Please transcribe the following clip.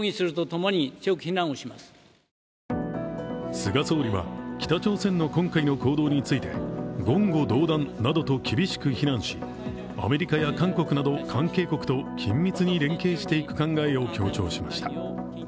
菅総理は北朝鮮の今回の行動について言語道断などと厳しく非難しアメリカや韓国など関係国と緊密に連係していく考えを強調しました。